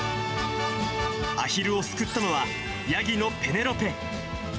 アヒルを救ったのは、ヤギのペネロペ。